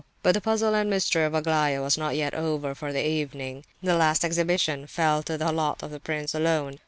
But the puzzle and mystery of Aglaya was not yet over for the evening. The last exhibition fell to the lot of the prince alone.